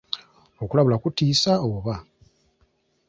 Okulabula kutiisa oba?